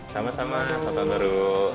sama sama selamat tahun baru